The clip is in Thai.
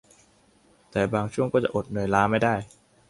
แต่บางช่วงก็จะอดเหนื่อยล้าไม่ได้